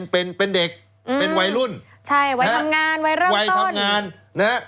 เป็นเด็กเป็นวัยรุ้นวัยทำงานวัยเริ่มต้น